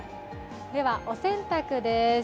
では、お洗濯です。